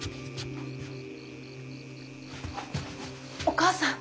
お義母さん